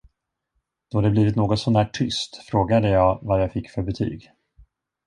Då det blivit något så när tyst, frågade jag vad jag fick för betyg.